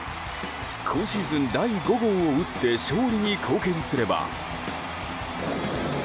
今シーズン第５号を打って勝利に貢献すれば。